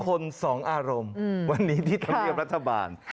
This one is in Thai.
คนสองอารมณ์วันนี้ที่ธรรมเนียบรัฐบาล